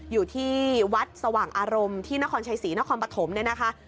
อยู่ที่วัดสว่างอารมณ์ที่นครชัยศรีนครปฐมเนี่ยนะคะ